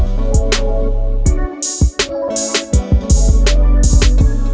kau bakal jawab